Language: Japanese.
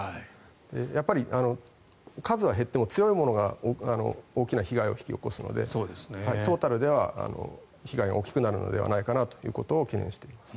やっぱり数は減っても強いものが大きな被害を引き起こすのでトータルでは被害は大きくなるのではないかということを懸念しています。